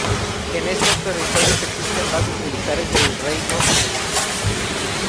En estos territorios existen bases militares del Reino Unido.